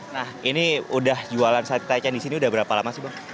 nah ini udah jualan sate taichan di sini udah berapa lama sih bang